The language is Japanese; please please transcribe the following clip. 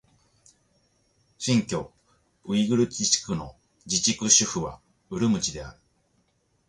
新疆ウイグル自治区の自治区首府はウルムチである